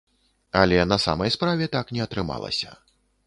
Але на самай справе так не атрымалася.